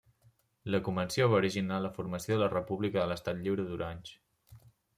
La convenció va originar la formació de la república de l'Estat Lliure d'Orange.